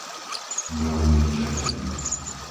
Dolný Čepeň